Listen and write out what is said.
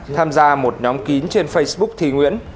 tham gia một nhóm kín trên facebook thì nguyễn